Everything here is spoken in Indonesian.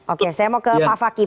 oke saya mau ke pak fakih